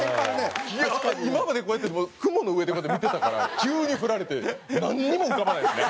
今までこうやってもう雲の上こうやって見てたから急に振られてなんにも浮かばないですね。